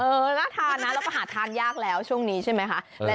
น่าทานนะแล้วก็หาทานยากแล้วช่วงนี้ใช่ไหมคะ